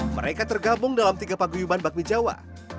mereka tergabung dalam tiga paguyuban bakmi jawa